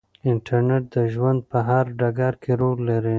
انټرنیټ د ژوند په هر ډګر کې رول لري.